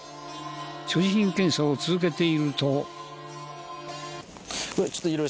所持品検査を続けていると。